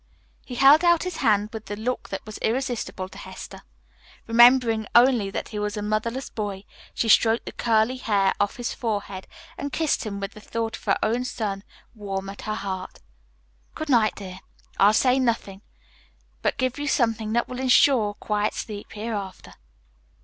He held out his hand with the look that was irresistible to Hester. Remembering only that he was a motherless boy, she stroked the curly hair off his forehead, and kissed him, with the thought of her own son warm at her heart. "Good night, dear. I'll say nothing, but give you something that will ensure quiet sleep hereafter."